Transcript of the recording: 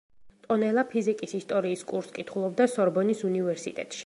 ტონელა ფიზიკის ისტორიის კურსს კითხულობდა სორბონის უნივერსიტეტში.